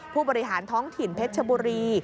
ผู้บริหารท้องถิ่นเพชรชบุรี